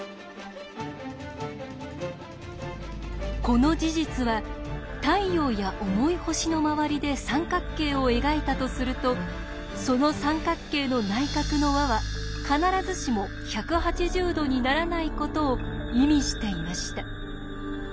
この事実は太陽や重い星の周りで三角形を描いたとするとその三角形の内角の和は必ずしも１８０°にならないことを意味していました。